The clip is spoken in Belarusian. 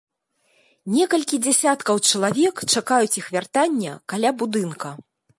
Некалькі дзесяткаў чалавек чакаюць іх вяртання каля будынка.